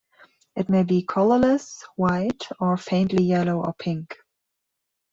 It may be colorless, white, or faintly yellow or pink.